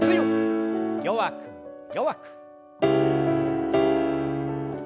弱く弱く。